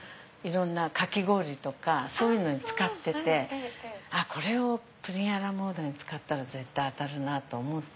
かき氷とかそういうのに使っててこれプリンアラモードに使ったら絶対当たると思って。